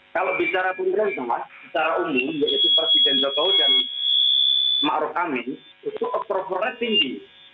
kalau bicara pemerintah secara umum yaitu presiden jokowi dan ⁇ maruf ⁇ amin itu approval rate tinggi